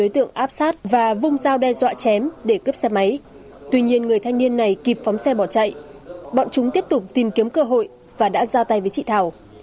tuy nhiên người thanh niên này kịp phóng xe bỏ chạy bọn chúng tiếp tục tìm kiếm cơ hội và đã ra tay với chị thảo